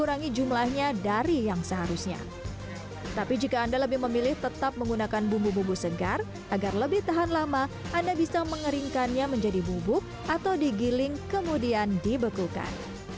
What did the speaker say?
agar lebih tahan lama anda bisa mengeringkannya menjadi bubuk atau digiling kemudian dibekukan